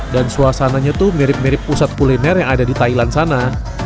dan suasananya tuh mirip mirip pusat kuliner yang ada di thailand sana